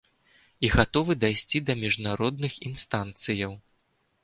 І гатовы дайсці да міжнародных інстанцыяў.